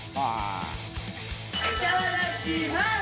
いただきます！